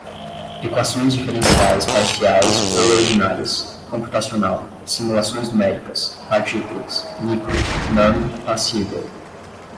equações diferenciais parciais ou ordinárias, computacional, simulações numéricas, partículas, micro, nano, passível